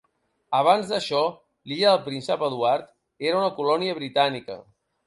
Abans d'això, l'Illa del Príncep Eduard era una colònia britànica.